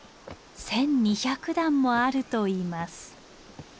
１，２００段もあるといいます。